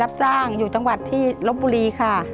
รับจ้างอยู่จังหวัดที่ลบบุรีค่ะ